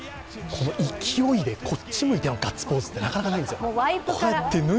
この勢いでこっち向いてのガッツポーズってなかなかないですよ。